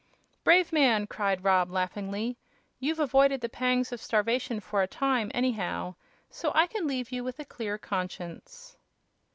"Brave man!" cried Rob, laughingly; "you've avoided the pangs of starvation for a time, anyhow, so I can leave you with a clear conscience."